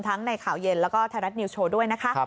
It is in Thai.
ทั้งในข่าวเย็นแล้วก็แทนรัฐนิวส์โชว์ด้วยนะครับ